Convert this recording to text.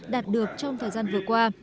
đạt được trong thời gian vừa qua